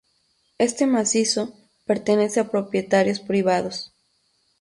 Este Macizo, pertenece a propietarios privados.